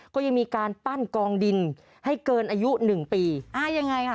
ก็ยังมีการปั้นกองดินให้เกินอายุหนึ่งปีอ่ายังไงค่ะ